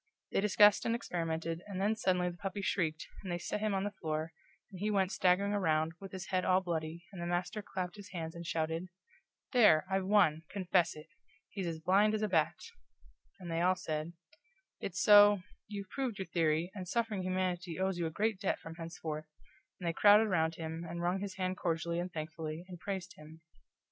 They discussed and experimented, and then suddenly the puppy shrieked, and they set him on the floor, and he went staggering around, with his head all bloody, and the master clapped his hands and shouted: "There, I've won confess it! He's as blind as a bat!" And they all said: "It's so you've proved your theory, and suffering humanity owes you a great debt from henceforth," and they crowded around him, and wrung his hand cordially and thankfully, and praised him.